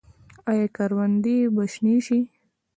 آیا کروندې به شنې شي؟